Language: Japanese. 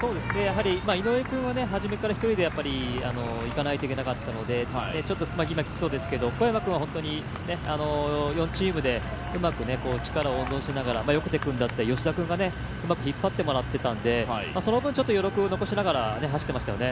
井上君ははじめから１人でいかないといけなかったのでちょっと今、きつそうですけど、小山君は４チームでうまく力を温存しながら横手君だったり吉田くんがうまく引っ張っていたので、その分ちょっと余力を残しながら走ってましたよね。